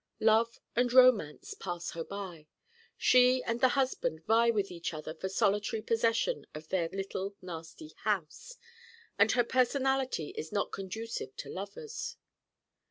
Love and Romance pass her by. She and the husband vie with each other for solitary possession of their little nasty house. And her personality is not conducive to lovers.